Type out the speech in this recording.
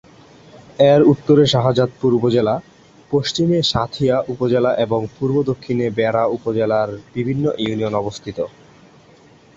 এর উত্তরে শাহজাদপুর উপজেলা, পশ্চিমে সাঁথিয়া উপজেলা এবং পূর্ব ও দক্ষিণে বেড়া উপজেলার বিভিন্ন ইউনিয়ন অবস্থিত।